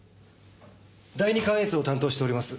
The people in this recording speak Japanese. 第二関越を担当しております